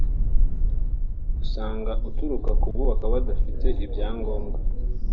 usanga uturuka ku bubaka badafite ibyangombwa